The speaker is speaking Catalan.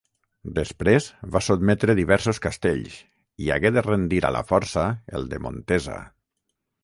Després, va sotmetre diversos castells i hagué de rendir a la força el de Montesa.